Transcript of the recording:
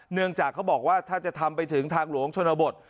เนื่องจากเขาบอกว่าถ้าจะทำไปถึงทางหลวงชนบท